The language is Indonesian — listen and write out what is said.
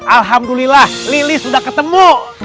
alhamdulillah lilis sudah ketemu